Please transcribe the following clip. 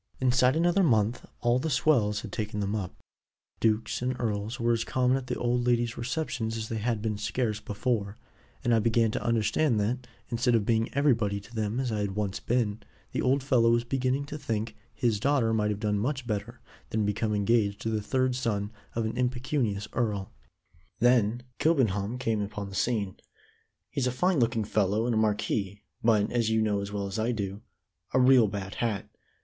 "Inside another month all the swells had taken them up; dukes and earls were as common at the old lady's receptions as they had been scarce before and I began to understand that, instead of being everybody to them as I had once been, the old fellow was beginning to think his daughter might have done much better than become engaged to the third son of an impecunious earl. "Then Kilbenham came upon the scene. He's a fine looking fellow and a marquis, but, as you know as well as I do, a real bad hat.